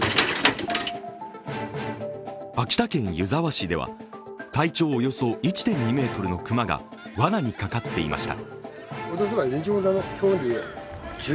秋田県湯沢市では、体長およそ１．２ｍの熊がわなにかかっていました。